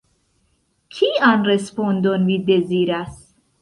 Kian respondon vi deziras?